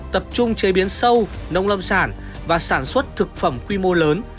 tập trung chế biến sâu nông lâm sản và sản xuất thực phẩm quy mô lớn